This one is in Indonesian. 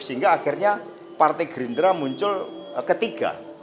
sehingga akhirnya partai gerindra muncul ketiga